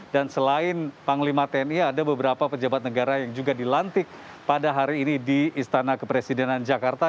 dan selain panglima tni ada beberapa pejabat negara yang juga dilantik pada hari ini di istana kepresidenan jakarta